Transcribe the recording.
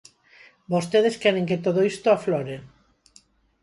Vostedes queren que todo isto aflore.